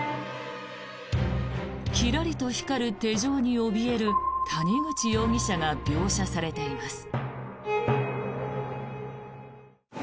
キラリと光る手錠におびえる谷口容疑者が描写されています。